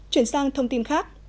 chuyển sang thông tin khác